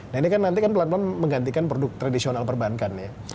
nah ini kan nanti kan pelan pelan menggantikan produk tradisional perbankan ya